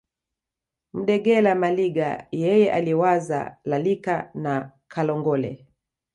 Mudegela Maliga yeye aliwazaa Lalika na Kalongole